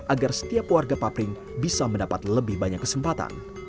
agar setiap warga papring bisa mendapat lebih banyak kesempatan